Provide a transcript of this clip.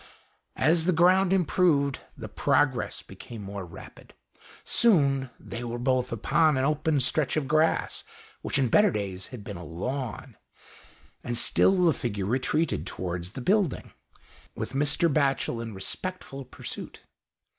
As the ground improved, the progress became more rapid. Soon they were both upon an open stretch of grass, which in better days had been a lawn, and still the figure retreated towards the building, with Mr. Batchel in respectful pursuit.